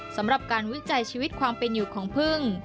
สำหรับการวิจัยชีวิตความเป็นอยู่ของพึ่ง